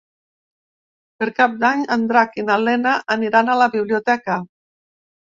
Per Cap d'Any en Drac i na Lena aniran a la biblioteca.